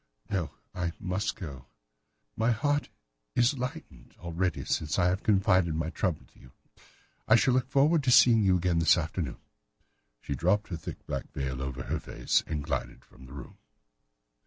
"No, I must go. My heart is lightened already since I have confided my trouble to you. I shall look forward to seeing you again this afternoon." She dropped her thick black veil over her face and glided from the room.